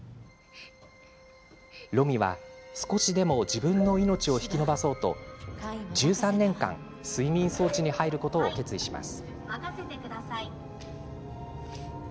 ロミは少しでも自分の命を引き延ばそうと１３年間、睡眠装置に入ることを決意します。